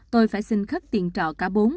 tôi phải xin khắp tiền trọ cả bốn